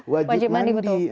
wajib mandi betul